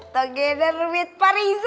toge dan rubit pari zok